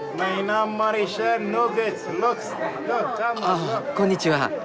あぁこんにちは。